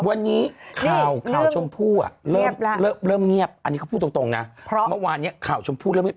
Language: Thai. วันนี้ข่าวชมพู่เริ่มเงียบอันนี้เขาพูดตรงนะเมื่อวานนี้ข่าวชมพู่เริ่มเงียบ